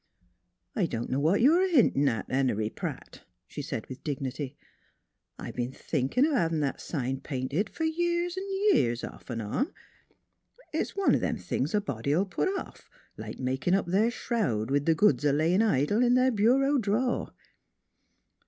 " I don't know what you're a hintin' at, Henery Pratt," she said, with dignity. " I b'en thinkin' o' havin' that sign painted f'r years V years, off V on. It's one o' them things a body '11 put off 2 NEIGHBORS like makin' up their shroud, with the goods a layin' idle in their bureau draw'."